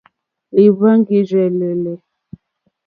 Lìhváŋgìrzèlèlè.